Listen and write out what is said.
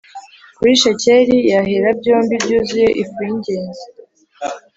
kuri shekeli y Ahera byombi byuzuye ifu y ingezi